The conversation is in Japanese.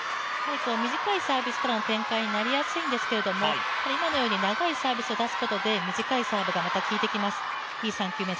短いサービスからの展開になりやすいんですけれども、今のように長いサービスを出すことで、短いサーブが効いてきます。